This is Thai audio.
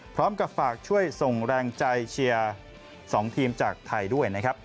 พร้อมกับฝากช่วยส่งแรงใจเชียร์๒ทีมจากไทยด้วยนะครับ